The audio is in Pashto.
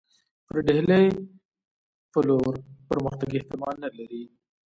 پر ډهلي پر لور پرمختګ احتمال نه لري.